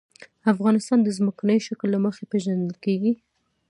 افغانستان د ځمکنی شکل له مخې پېژندل کېږي.